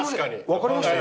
分かりました？